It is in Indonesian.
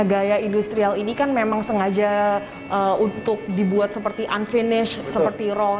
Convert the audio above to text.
nah gaya industrial ini kan memang sengaja untuk dibuat seperti unfinished seperti raw